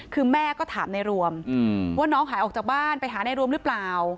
คือแม่ก็ถามในรวมว่าน้องหายออกจากบ้านไปหาในรวมหรือเปล่า